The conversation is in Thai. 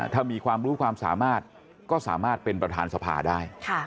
ถ้ามีความรู้ความสามารถก็สามารถเป็นประธานสภาได้